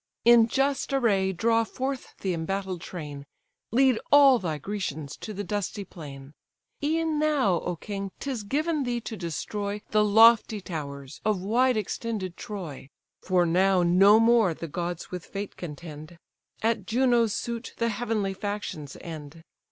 In just array draw forth the embattled train, Lead all thy Grecians to the dusty plain; E'en now, O king! 'tis given thee to destroy The lofty towers of wide extended Troy. For now no more the gods with fate contend, At Juno's suit the heavenly factions end.